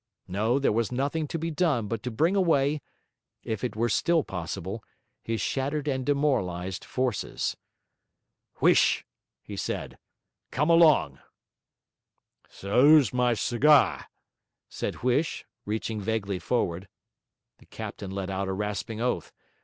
No, there was nothing to be done but to bring away (if it were still possible) his shattered and demoralised forces. 'Huish,' he said, 'come along.' ''S lose my ciga',' said Huish, reaching vaguely forward. The captain let out a rasping oath.